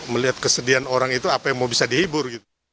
melihat kesedihan orang itu apa yang mau bisa dihibur